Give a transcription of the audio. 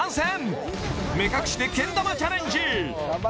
目隠しでけん玉チャレンジ